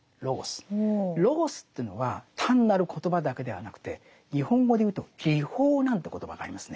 ロゴスというのは単なる言葉だけではなくて日本語でいうと理法なんて言葉がありますね。